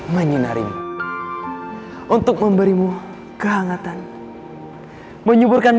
menyinarimu untuk memberimu kehangatan menyuburkan